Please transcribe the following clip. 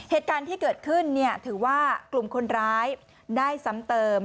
เหตุการณ์ที่เกิดขึ้นถือว่ากลุ่มคนร้ายได้ซ้ำเติม